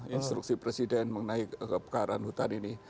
instruksi presiden mengenai kebakaran hutan ini